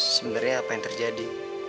sebenernya apa yang terjadi